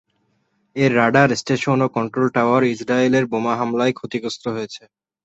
এর radar station ও control tower ইসরায়েলের বোমা হামলায় ক্ষতিগ্রস্ত হয়েছে।